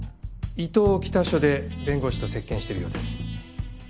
伊東北署で弁護士と接見してるようです。